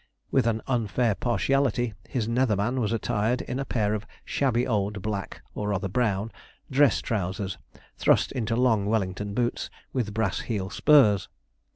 With an unfair partiality his nether man was attired in a pair of shabby old black, or rather brown, dress trousers, thrust into long Wellington boots with brass heel spurs.